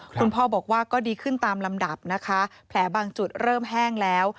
คุณพ่อบอกว่าก็ดีขึ้นตามลำดับนะคะแผลบางจุดเริ่มแห้งแล้ว